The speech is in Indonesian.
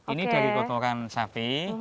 ini dari kotoran sapi